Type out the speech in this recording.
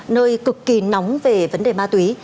nơi cực kỳ nóng về vấn đề ma túy